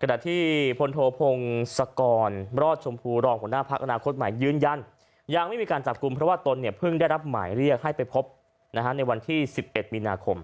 ขณะที่พลโทพงศกรรอดชมพูรองหัวหน้าพักอนาคตใหม่ยืนยันยังไม่มีการจับกลุ่มเพราะว่าตนเนี่ยเพิ่งได้รับหมายเรียกให้ไปพบในวันที่๑๑มีนาคม